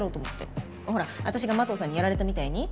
ほら私が麻藤さんにやられたみたいに。